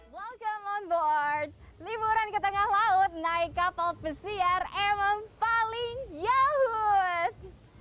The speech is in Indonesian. welcome on board liburan ke tengah laut naik kapal pesiar emang paling yahut